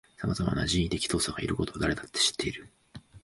さまざまな人為的操作がいることは誰だって知っている